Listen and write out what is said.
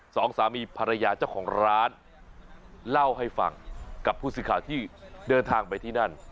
สองสามีภรรยาเจ้าของร้านเล่าให้ฟังกับผู้สื่อข่าวที่เดินทางไปที่นั่น